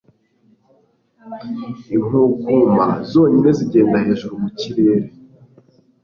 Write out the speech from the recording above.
inkukuma zonyine zigenda hejuru mu kirere